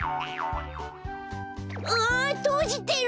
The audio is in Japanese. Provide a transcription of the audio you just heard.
あとじてる！